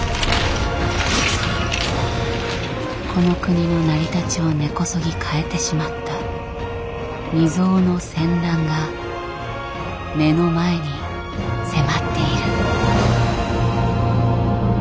この国の成り立ちを根こそぎ変えてしまった未曽有の戦乱が目の前に迫っている。